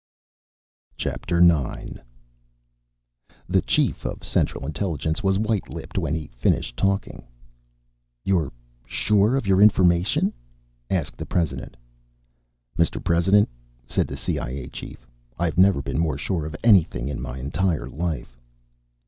IX The chief of Central Intelligence was white lipped when he finished talking. "You're sure of your information?" asked the President. "Mr. President," said the CIA chief, "I've never been more sure of anything in my entire life."